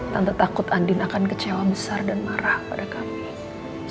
tanda takut andin akan kecewa besar dan marah pada kami